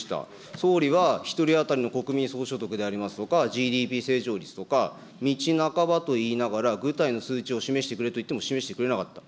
総理は１人当たりの国民総所得でありますとか、ＧＤＰ成長率とか、道半ばといいながら、具体の数値を示してくれと言っても示してくれなかった。